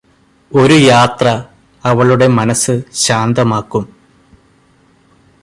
ഒരു യാത്ര അവളുടെ മനസ്സ് ശാന്തമാക്കും